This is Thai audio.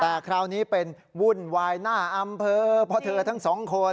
แต่คราวนี้เป็นวุ่นวายหน้าอำเภอเพราะเธอทั้งสองคน